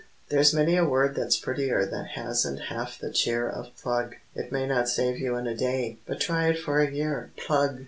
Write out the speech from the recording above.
There's many a word that's prettier that hasn't half the cheer Of plug. It may not save you in a day, but try it for a year. Plug!